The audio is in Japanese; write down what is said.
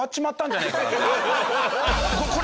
これ！